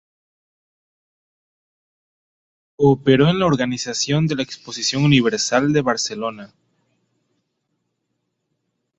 Cooperó en la organización de la Exposición Universal de Barcelona.